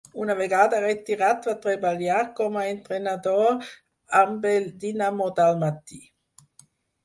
Una vegada retirat va treballar com a entrenador amb el Dynamo d'Almaty.